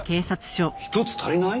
１つ足りない？